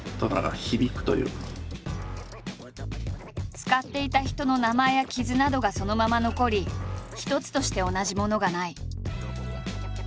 使っていた人の名前や傷などがそのまま残り一つとして同じものがない。